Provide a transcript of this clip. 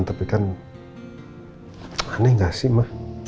tapi kan aneh gak sih mah